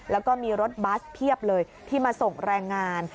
แล้วก็มีรถบัสเพียบเลยที่มาส่งแรงงาน